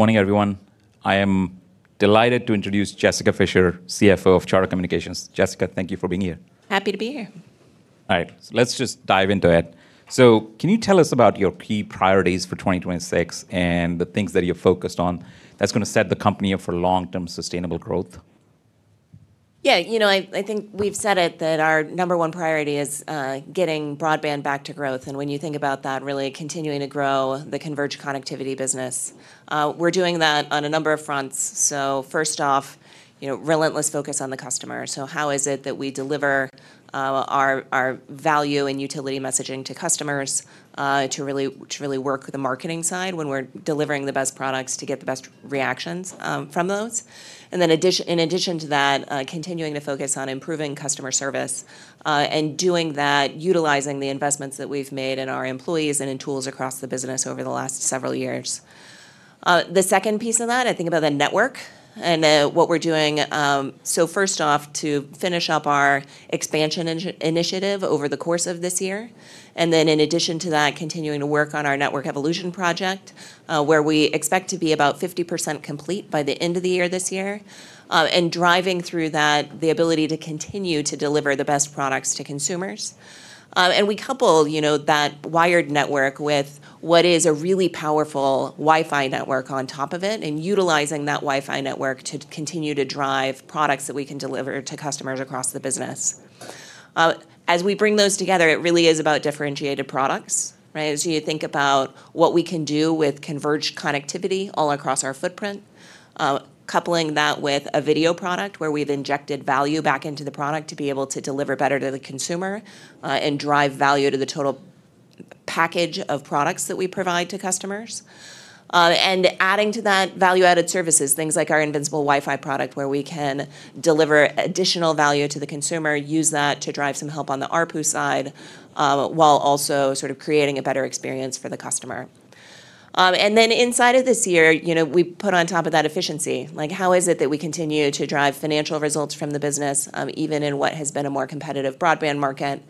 Good morning, everyone. I am delighted to introduce Jessica Fischer, CFO of Charter Communications. Jessica, thank you for being here. Happy to be here. All right, let's just dive into it. Can you tell us about your key priorities for 2026 and the things that you're focused on that's gonna set the company up for long-term sustainable growth? Yeah, you know, I think we've said it, that our number one priority is getting broadband back to growth, and when you think about that, really continuing to grow the converged connectivity business. We're doing that on a number of fronts. First off, you know, relentless focus on the customer. How is it that we deliver our value and utility messaging to customers to really work the marketing side when we're delivering the best products to get the best reactions from those? In addition to that, continuing to focus on improving customer service and doing that utilizing the investments that we've made in our employees and in tools across the business over the last several years. The second piece of that, I think about the network and what we're doing, so first off, to finish up our expansion initiative over the course of this year, and then in addition to that, continuing to work on our network evolution project, where we expect to be about 50% complete by the end of the year this year. Driving through that, the ability to continue to deliver the best products to consumers. We couple, you know, that wired network with what is a really powerful WiFi network on top of it, and utilizing that WiFi network to continue to drive products that we can deliver to customers across the business. As we bring those together, it really is about differentiated products, right? As you think about what we can do with converged connectivity all across our footprint, coupling that with a video product where we've injected value back into the product to be able to deliver better to the consumer, and drive value to the total package of products that we provide to customers. Adding to that, value-added services, things like our Invincible WiFi product where we can deliver additional value to the consumer, use that to drive some help on the ARPU side, while also sort of creating a better experience for the customer. Then inside of this year, you know, we put on top of that efficiency. Like, how is it that we continue to drive financial results from the business, even in what has been a more competitive broadband market?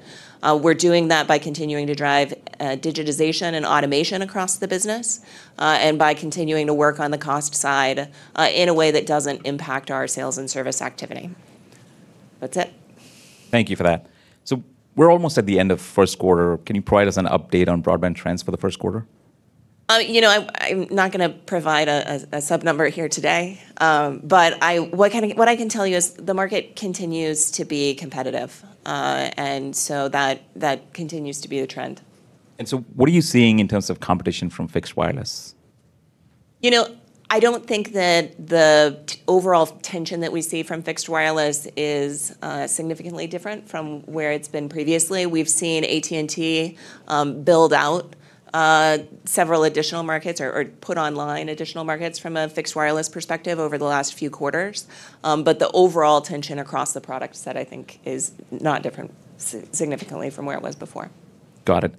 We're doing that by continuing to drive digitization and automation across the business, and by continuing to work on the cost side, in a way that doesn't impact our sales and service activity. That's it. Thank you for that. We're almost at the end of first quarter. Can you provide us an update on broadband trends for the first quarter? You know, I'm not gonna provide a sub-number here today. What I can tell you is the market continues to be competitive, and so that continues to be the trend. What are you seeing in terms of competition from fixed wireless? You know, I don't think that the overall tension that we see from fixed wireless is significantly different from where it's been previously. We've seen AT&T build out several additional markets or put online additional markets from a fixed wireless perspective over the last few quarters. The overall tension across the product set I think is not different significantly from where it was before. Got it.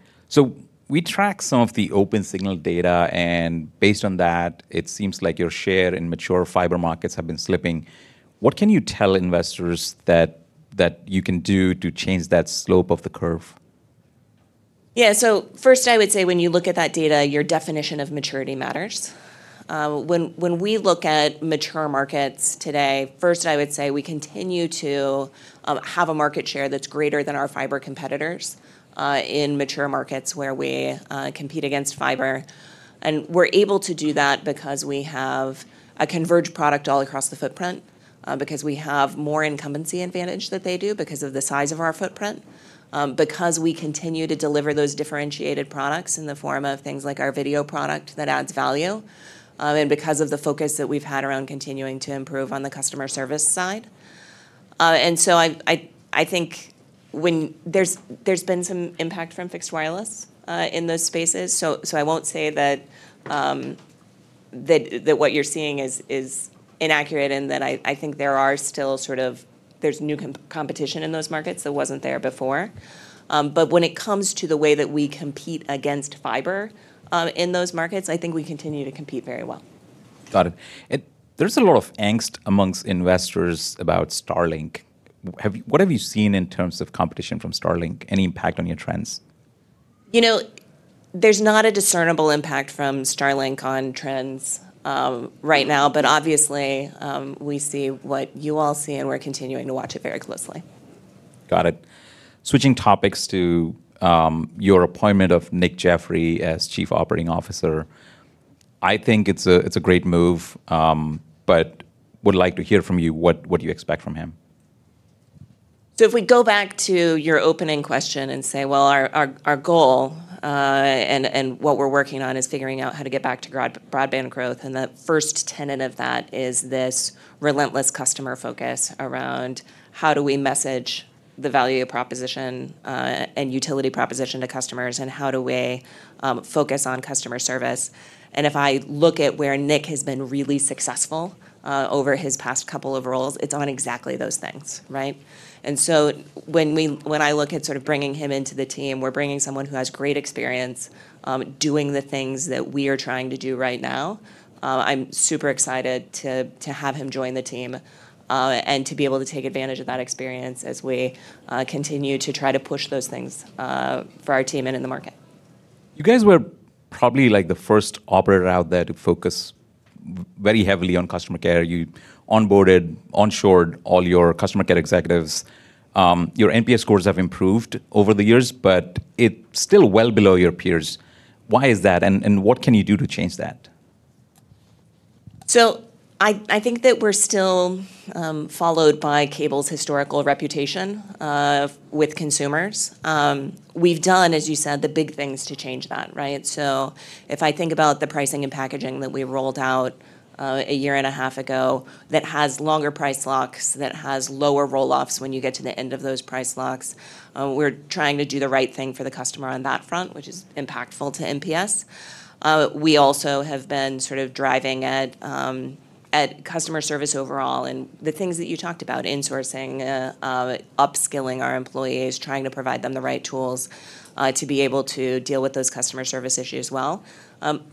We tracked some of the Opensignal data, and based on that, it seems like your share in mature fiber markets have been slipping. What can you tell investors that you can do to change that slope of the curve? Yeah. First, I would say when you look at that data, your definition of maturity matters. When we look at mature markets today, first I would say we continue to have a market share that's greater than our fiber competitors in mature markets where we compete against fiber. We're able to do that because we have a converged product all across the footprint because we have more incumbency advantage than they do because of the size of our footprint because we continue to deliver those differentiated products in the form of things like our video product that adds value and because of the focus that we've had around continuing to improve on the customer service side. I think when there's been some impact from fixed wireless in those spaces, so I won't say that what you're seeing is inaccurate and that I think there are still sort of new competition in those markets that wasn't there before. When it comes to the way that we compete against fiber in those markets, I think we continue to compete very well. Got it. There's a lot of angst among investors about Starlink. What have you seen in terms of competition from Starlink? Any impact on your trends? You know, there's not a discernible impact from Starlink on trends, right now, but obviously, we see what you all see, and we're continuing to watch it very closely. Got it. Switching topics to your appointment of Nick Jeffery as Chief Operating Officer. I think it's a great move, but would like to hear from you what you expect from him. If we go back to your opening question and say, well, our goal and what we're working on is figuring out how to get back to broadband growth, and the first tenet of that is this relentless customer focus around how do we message the value proposition and utility proposition to customers, and how do we focus on customer service? If I look at where Nick has been really successful over his past couple of roles, it's on exactly those things, right? When I look at sort of bringing him into the team, we're bringing someone who has great experience doing the things that we are trying to do right now. I'm super excited to have him join the team, and to be able to take advantage of that experience as we continue to try to push those things for our team and in the market. You guys were probably, like, the first operator out there to focus very heavily on customer care. You onboarded onshored all your customer care executives. Your NPS scores have improved over the years, but it's still well below your peers. Why is that? And what can you do to change that? I think that we're still followed by cable's historical reputation with consumers. We've done, as you said, the big things to change that, right? If I think about the pricing and packaging that we rolled out a year and a half ago that has longer price locks, that has lower roll-offs when you get to the end of those price locks, we're trying to do the right thing for the customer on that front, which is impactful to NPS. We also have been sort of driving at customer service overall, and the things that you talked about, insourcing, upskilling our employees, trying to provide them the right tools to be able to deal with those customer service issues well.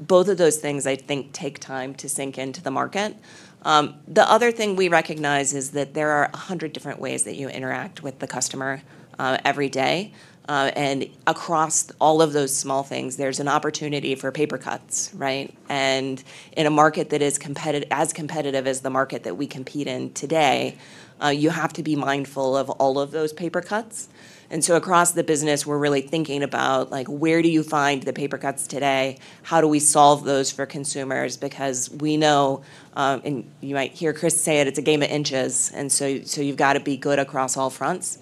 Both of those things, I think, take time to sink into the market. The other thing we recognize is that there are 100 different ways that you interact with the customer every day. Across all of those small things, there's an opportunity for paper cuts, right? In a market that is as competitive as the market that we compete in today, you have to be mindful of all of those paper cuts. Across the business, we're really thinking about, like, where do you find the paper cuts today? How do we solve those for consumers? Because we know, and you might hear Chris say it's a game of inches, and so you've got to be good across all fronts.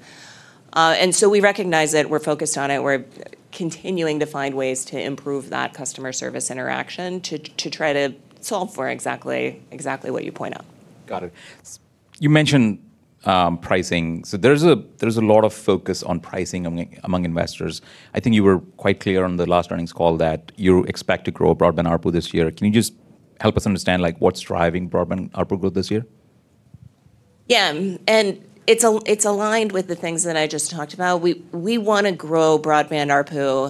We recognize it. We're focused on it. We're continuing to find ways to improve that customer service interaction to try to solve for exactly what you point out. Got it. You mentioned pricing. There's a lot of focus on pricing among investors. I think you were quite clear on the last earnings call that you expect to grow broadband ARPU this year. Can you just help us understand, like, what's driving broadband ARPU growth this year? Yeah. It's aligned with the things that I just talked about. We wanna grow broadband ARPU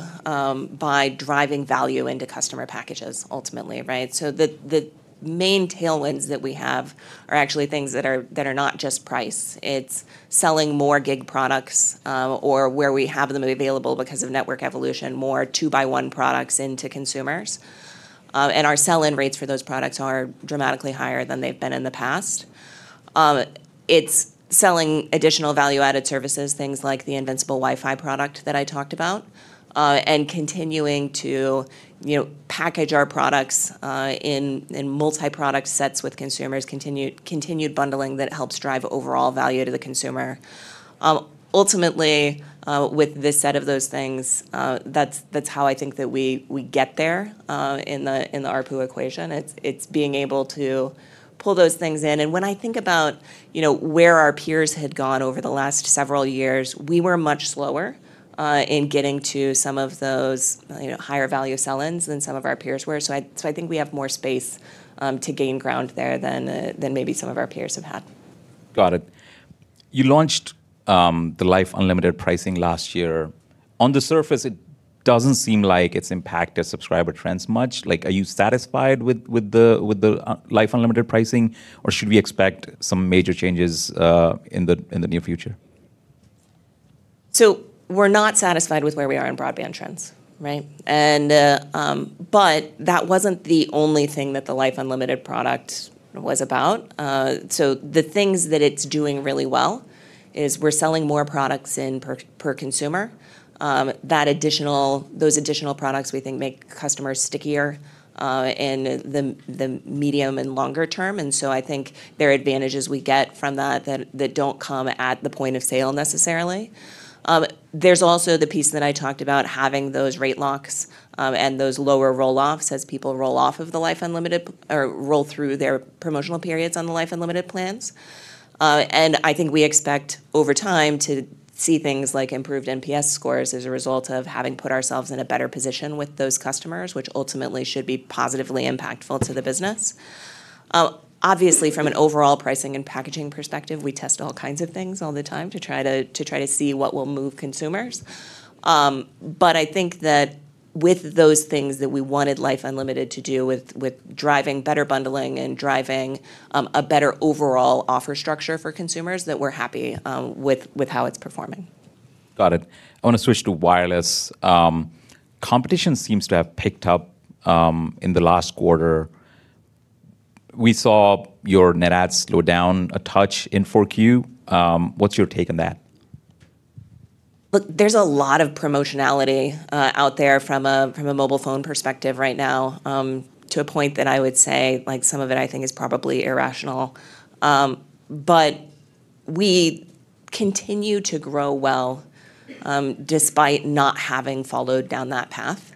by driving value into customer packages ultimately, right? The main tailwinds that we have are actually things that are not just price. It's selling more gig products or where we have them available because of network evolution, more two-by-one products into consumers. And our sell-in rates for those products are dramatically higher than they've been in the past. It's selling additional value-added services, things like the Invincible WiFi product that I talked about, and continuing to, you know, package our products in multi-product sets with consumers, continued bundling that helps drive overall value to the consumer. Ultimately, with this set of those things, that's how I think that we get there in the ARPU equation. It's being able to pull those things in. When I think about, you know, where our peers had gone over the last several years, we were much slower in getting to some of those, you know, higher value sell-ins than some of our peers were. I think we have more space to gain ground there than maybe some of our peers have had. Got it. You launched the Life Unlimited pricing last year. On the surface, it doesn't seem like it's impacted subscriber trends much. Like, are you satisfied with the Life Unlimited pricing, or should we expect some major changes in the near future? We're not satisfied with where we are in broadband trends, right? That wasn't the only thing that the Life Unlimited product was about. The things that it's doing really well is we're selling more products per consumer. Those additional products we think make customers stickier in the medium and longer term. I think there are advantages we get from that that don't come at the point of sale necessarily. There's also the piece that I talked about having those rate locks and those lower roll-offs as people roll off of the Life Unlimited or roll through their promotional periods on the Life Unlimited plans. I think we expect over time to see things like improved NPS scores as a result of having put ourselves in a better position with those customers, which ultimately should be positively impactful to the business. Obviously from an overall pricing and packaging perspective, we test all kinds of things all the time to try to see what will move consumers. I think that with those things that we wanted Life Unlimited to do with driving better bundling and driving a better overall offer structure for consumers, that we're happy with how it's performing. Got it. I wanna switch to wireless. Competition seems to have picked up in the last quarter. We saw your net adds slow down a touch in 4Q. What's your take on that? Look, there's a lot of promotionality out there from a mobile phone perspective right now, to a point that I would say, like, some of it I think is probably irrational. We continue to grow well, despite not having followed down that path.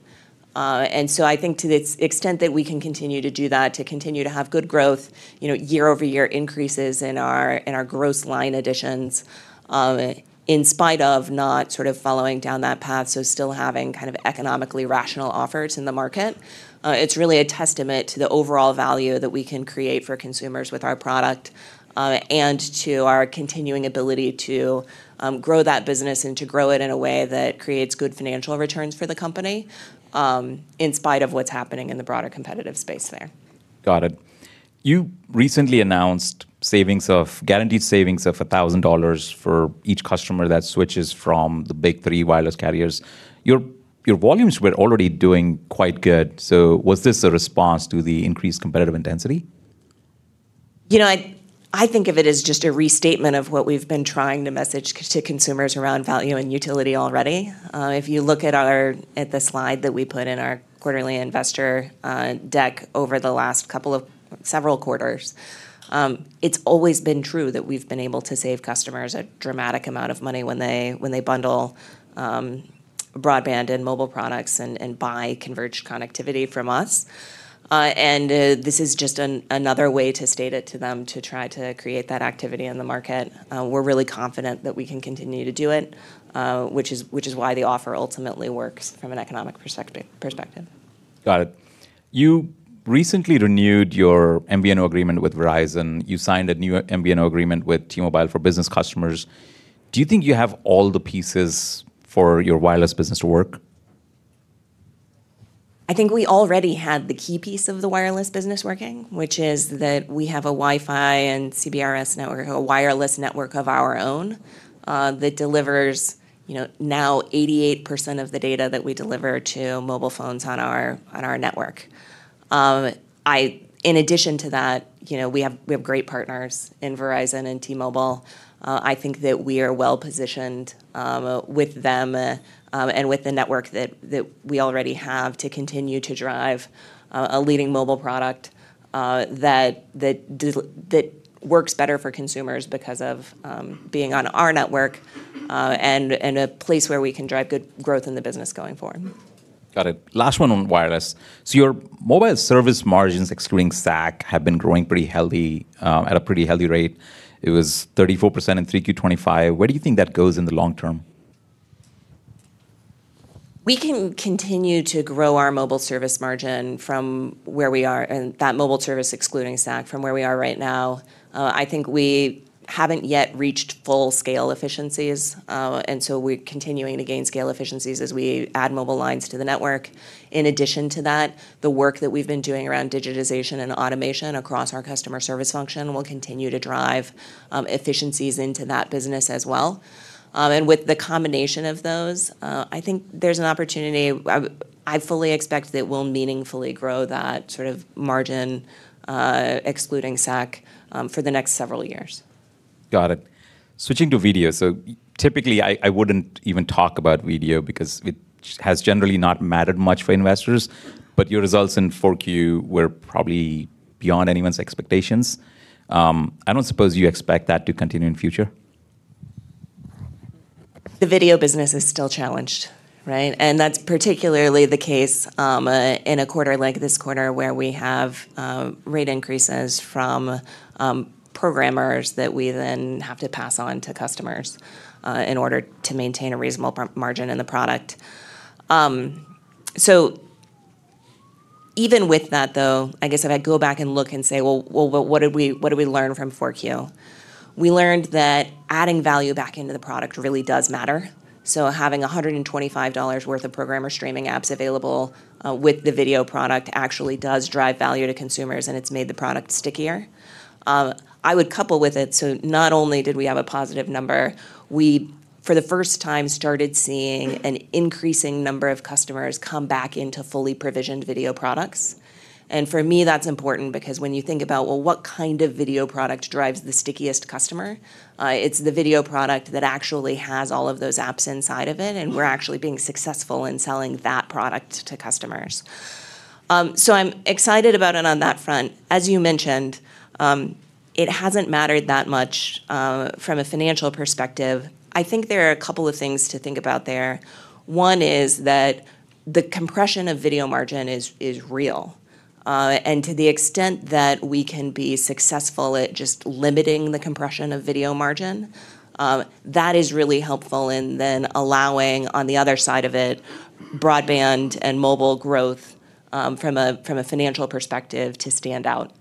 I think to the extent that we can continue to do that, to continue to have good growth, you know, year-over-year increases in our gross line additions, in spite of not sort of following down that path, so still having kind of economically rational offers in the market, it's really a testament to the overall value that we can create for consumers with our product, and to our continuing ability to grow that business and to grow it in a way that creates good financial returns for the company, in spite of what's happening in the broader competitive space there. Got it. You recently announced guaranteed savings of $1,000 for each customer that switches from the big three wireless carriers. Your volumes were already doing quite good, so was this a response to the increased competitive intensity? You know, I think of it as just a restatement of what we've been trying to message to consumers around value and utility already. If you look at the slide that we put in our quarterly investor deck over the last couple of several quarters, it's always been true that we've been able to save customers a dramatic amount of money when they bundle broadband and mobile products and buy converged connectivity from us. This is just another way to state it to them to try to create that activity in the market. We're really confident that we can continue to do it, which is why the offer ultimately works from an economic perspective. Got it. You recently renewed your MVNO agreement with Verizon. You signed a new MVNO agreement with T-Mobile for business customers. Do you think you have all the pieces for your wireless business to work? I think we already had the key piece of the wireless business working, which is that we have a WiFi and CBRS network, a wireless network of our own, that delivers, you know, now 88% of the data that we deliver to mobile phones on our network. In addition to that, you know, we have great partners in Verizon and T-Mobile. I think that we are well-positioned with them and with the network that we already have to continue to drive a leading mobile product that works better for consumers because of being on our network and a place where we can drive good growth in the business going forward. Got it. Last one on wireless. Your mobile service margins, excluding SAC, have been growing pretty healthy, at a pretty healthy rate. It was 34% in 3Q 2025. Where do you think that goes in the long term? We can continue to grow our mobile service margin from where we are, and that mobile service excluding SAC from where we are right now. I think we haven't yet reached full-scale efficiencies, and so we're continuing to gain scale efficiencies as we add mobile lines to the network. In addition to that, the work that we've been doing around digitization and automation across our customer service function will continue to drive efficiencies into that business as well. With the combination of those, I think there's an opportunity. I fully expect that we'll meaningfully grow that sort of margin excluding SAC for the next several years. Got it. Switching to video. Typically I wouldn't even talk about video because it has generally not mattered much for investors, but your results in 4Q were probably beyond anyone's expectations. I don't suppose you expect that to continue in future. The video business is still challenged, right? That's particularly the case in a quarter like this quarter where we have rate increases from programmers that we then have to pass on to customers in order to maintain a reasonable margin in the product. Even with that though, I guess if I go back and look and say, "Well, what did we learn from 4Q?" We learned that adding value back into the product really does matter. Having $125 worth of programmer streaming apps available with the video product actually does drive value to consumers, and it's made the product stickier. I would couple with it, so not only did we have a positive number, we for the first time started seeing an increasing number of customers come back into fully provisioned video products. For me, that's important because when you think about, well, what kind of video product drives the stickiest customer, it's the video product that actually has all of those apps inside of it, and we're actually being successful in selling that product to customers. I'm excited about it on that front. As you mentioned, it hasn't mattered that much from a financial perspective. I think there are a couple of things to think about there. One is that the compression of video margin is real. To the extent that we can be successful at just limiting the compression of video margin, that is really helpful in then allowing on the other side of it broadband and mobile growth, from a financial perspective to stand out.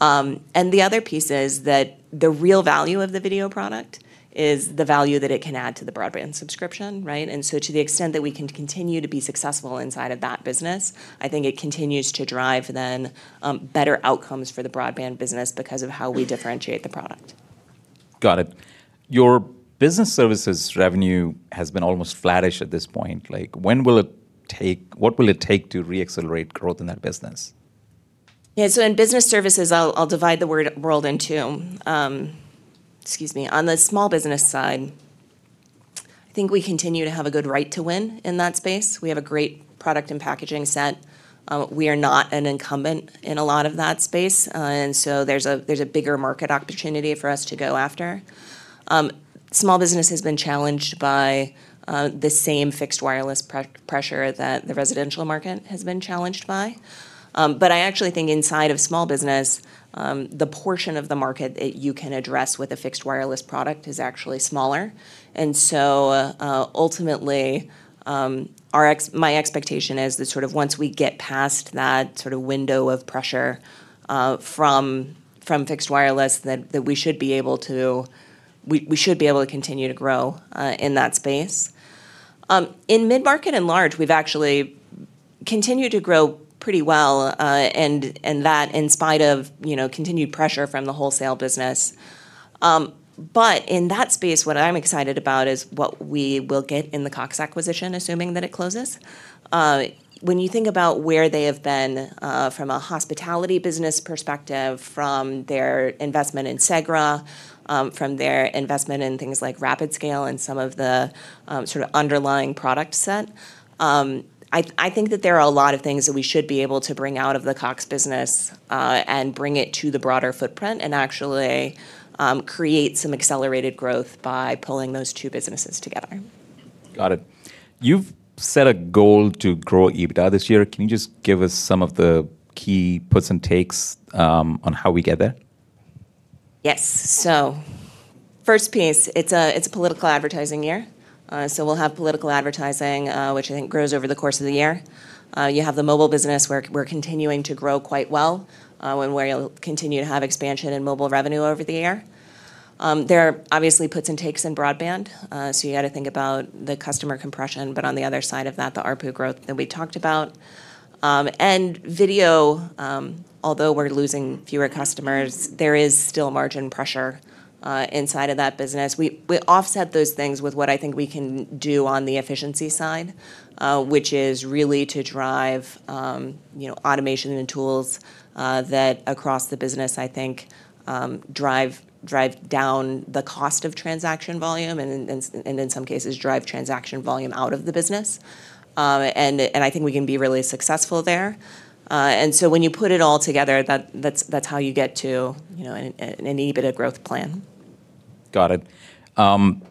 The other piece is that the real value of the video product is the value that it can add to the broadband subscription, right? To the extent that we can continue to be successful inside of that business, I think it continues to drive then better outcomes for the broadband business because of how we differentiate the product. Got it. Your business services revenue has been almost flattish at this point. Like, what will it take to re-accelerate growth in that business? In business services, I'll divide the world in two. Excuse me. On the small business side, I think we continue to have a good right to win in that space. We have a great product and packaging set. We are not an incumbent in a lot of that space, and so there's a bigger market opportunity for us to go after. Small business has been challenged by the same fixed wireless pressure that the residential market has been challenged by. I actually think inside of small business, the portion of the market that you can address with a fixed wireless product is actually smaller. Ultimately, my expectation is that once we get past that sort of window of pressure from fixed wireless, that we should be able to continue to grow in that space. In mid-market and large, we've actually continued to grow pretty well, and that in spite of, you know, continued pressure from the wholesale business. In that space, what I'm excited about is what we will get in the Cox acquisition, assuming that it closes. When you think about where they have been, from a hospitality business perspective, from their investment in Segra, from their investment in things like RapidScale and some of the sort of underlying product set, I think that there are a lot of things that we should be able to bring out of the Cox business, and bring it to the broader footprint and actually create some accelerated growth by pulling those two businesses together. Got it. You've set a goal to grow EBITDA this year. Can you just give us some of the key puts and takes on how we get there? Yes. First piece, it's a political advertising year. We'll have political advertising, which I think grows over the course of the year. You have the mobile business where we're continuing to grow quite well, and where you'll continue to have expansion in mobile revenue over the year. There are obviously puts and takes in broadband, so you gotta think about the customer compression, but on the other side of that, the ARPU growth that we talked about. Video, although we're losing fewer customers, there is still margin pressure inside of that business. We offset those things with what I think we can do on the efficiency side, which is really to drive you know automation and tools that across the business I think drive down the cost of transaction volume and in some cases drive transaction volume out of the business. I think we can be really successful there. When you put it all together, that's how you get to you know an EBITDA growth plan. Got it.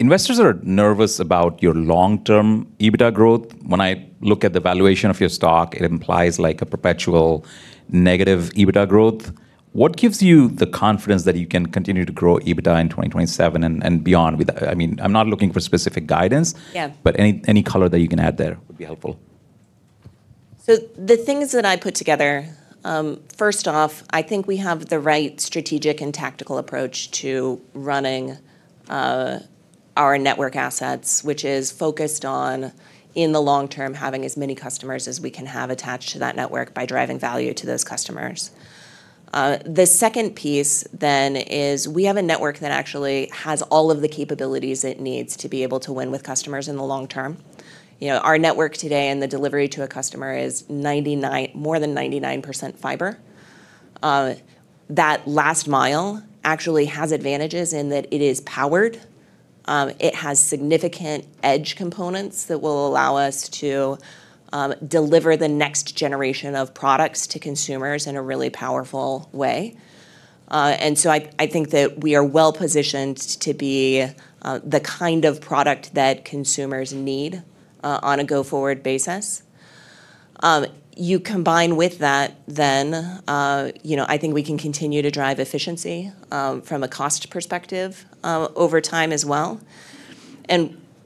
Investors are nervous about your long-term EBITDA growth. When I look at the valuation of your stock, it implies like a perpetual negative EBITDA growth. What gives you the confidence that you can continue to grow EBITDA in 2027 and beyond? I mean, I'm not looking for specific guidance- Yeah. Any color that you can add there would be helpful. The things that I put together, first off, I think we have the right strategic and tactical approach to running our network assets, which is focused on, in the long term, having as many customers as we can have attached to that network by driving value to those customers. The second piece then is we have a network that actually has all of the capabilities it needs to be able to win with customers in the long term. You know, our network today and the delivery to a customer is more than 99% fiber. That last mile actually has advantages in that it is powered, it has significant edge components that will allow us to deliver the next generation of products to consumers in a really powerful way. I think that we are well-positioned to be the kind of product that consumers need on a go-forward basis. You combine with that, you know, I think we can continue to drive efficiency from a cost perspective over time as well.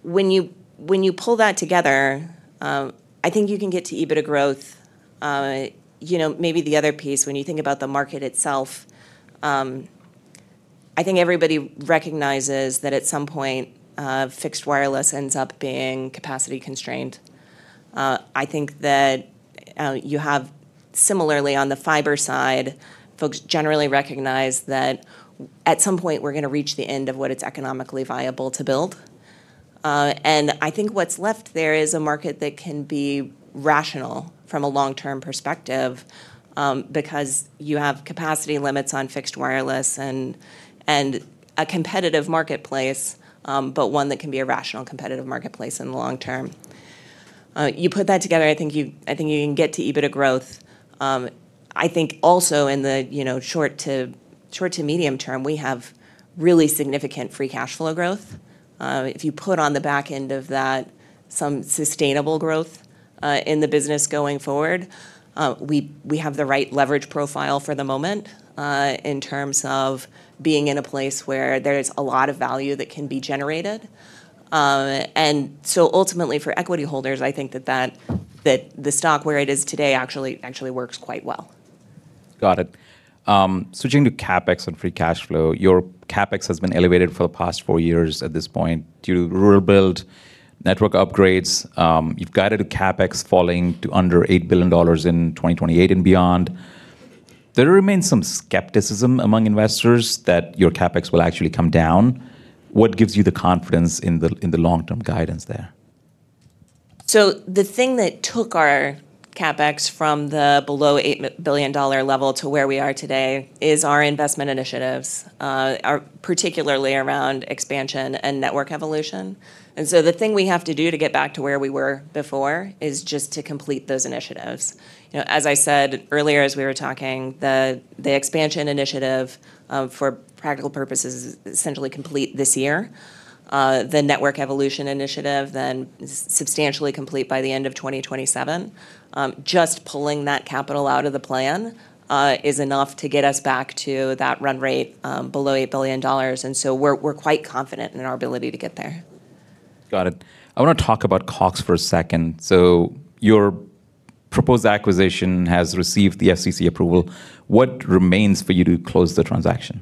When you pull that together, I think you can get to EBITDA growth. You know, maybe the other piece when you think about the market itself, I think everybody recognizes that at some point fixed wireless ends up being capacity constrained. I think that you have similarly on the fiber side, folks generally recognize that at some point we're gonna reach the end of what it's economically viable to build. I think what's left there is a market that can be rational from a long-term perspective, because you have capacity limits on fixed wireless and a competitive marketplace, but one that can be a rational competitive marketplace in the long term. You put that together, I think you can get to EBITDA growth. I think also in the, you know, short- to medium-term, we have really significant free cash flow growth. If you put on the back end of that some sustainable growth in the business going forward, we have the right leverage profile for the moment in terms of being in a place where there is a lot of value that can be generated. Ultimately for equity holders, I think that the stock where it is today actually works quite well. Got it. Switching to CapEx and free cash flow, your CapEx has been elevated for the past four years at this point due to rural build network upgrades. You've guided a CapEx falling to under $8 billion in 2028 and beyond. There remains some skepticism among investors that your CapEx will actually come down. What gives you the confidence in the long-term guidance there? The thing that took our CapEx from below $8 billion level to where we are today is our investment initiatives, particularly around expansion and network evolution. The thing we have to do to get back to where we were before is just to complete those initiatives. You know, as I said earlier as we were talking, the expansion initiative for practical purposes is essentially complete this year. The network evolution initiative then is substantially complete by the end of 2027. Just pulling that capital out of the plan is enough to get us back to that run rate below $8 billion. We're quite confident in our ability to get there. Got it. I wanna talk about Cox for a second. Your proposed acquisition has received the FCC approval. What remains for you to close the transaction?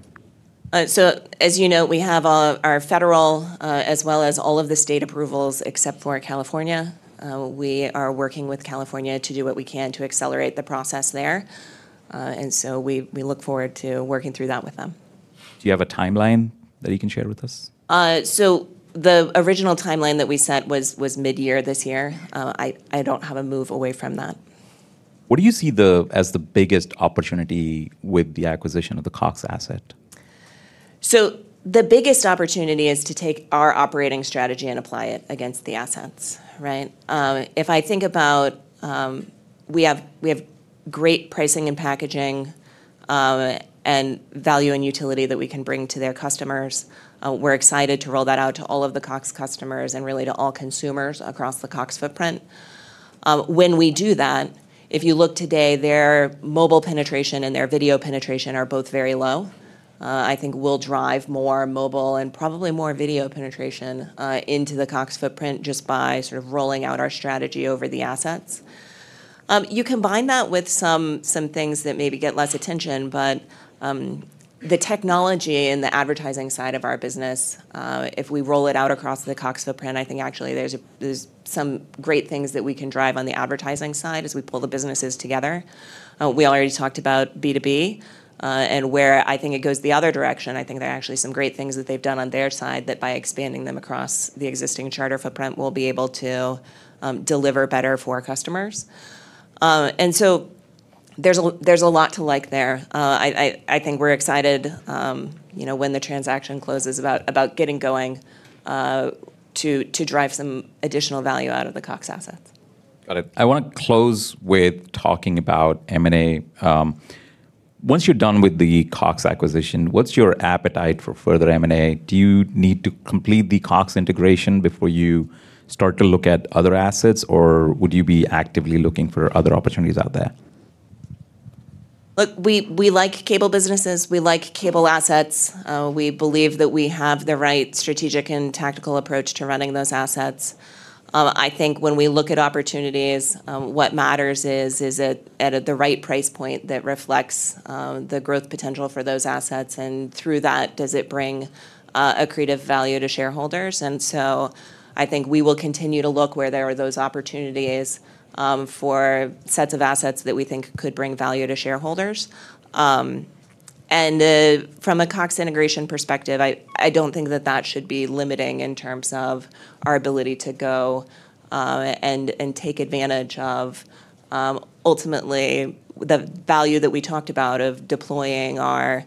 As you know, we have our federal as well as all of the state approvals except for California. We are working with California to do what we can to accelerate the process there. We look forward to working through that with them. Do you have a timeline that you can share with us? The original timeline that we set was midyear this year. I haven't moved away from that. What do you see as the biggest opportunity with the acquisition of the Cox asset? The biggest opportunity is to take our operating strategy and apply it against the assets, right? If I think about, we have great pricing and packaging, and value and utility that we can bring to their customers. We're excited to roll that out to all of the Cox customers and really to all consumers across the Cox footprint. When we do that, if you look today, their mobile penetration and their video penetration are both very low. I think we'll drive more mobile and probably more video penetration into the Cox footprint just by sort of rolling out our strategy over the assets. You combine that with some things that maybe get less attention, but the technology and the advertising side of our business, if we roll it out across the Cox footprint, I think actually there's some great things that we can drive on the advertising side as we pull the businesses together. We already talked about B2B, and where I think it goes the other direction, I think there are actually some great things that they've done on their side that by expanding them across the existing Charter footprint, we'll be able to deliver better for our customers. There's a lot to like there. I think we're excited, you know, when the transaction closes about getting going, to drive some additional value out of the Cox assets. Got it. I wanna close with talking about M&A. Once you're done with the Cox acquisition, what's your appetite for further M&A? Do you need to complete the Cox integration before you start to look at other assets, or would you be actively looking for other opportunities out there? Look, we like cable businesses. We like cable assets. We believe that we have the right strategic and tactical approach to running those assets. I think when we look at opportunities, what matters is it at the right price point that reflects the growth potential for those assets, and through that, does it bring accretive value to shareholders? I think we will continue to look where there are those opportunities for sets of assets that we think could bring value to shareholders. From a Cox integration perspective, I don't think that should be limiting in terms of our ability to go and take advantage of ultimately the value that we talked about of deploying our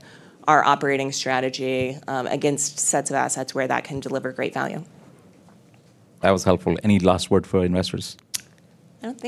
operating strategy against sets of assets where that can deliver great value. That was helpful. Any last word for investors?